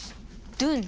ドゥン。